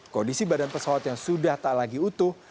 kondisi badan pesawat yang sudah tak lagi utuh